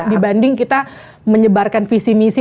dibanding kita menyebarkan visi misi